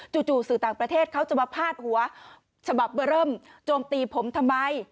จู่สื่อต่างประเทศเขาจะมาพาดหัวฉบับเบอร์เริ่มโจมตีผมทำไม